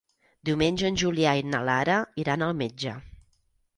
Diumenge en Julià i na Lara iran al metge.